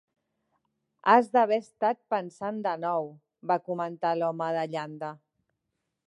"Has d'haver estat pensant de nou", va comentar l'home de llanda.